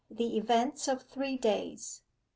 THE EVENTS OF THREE DAYS 1.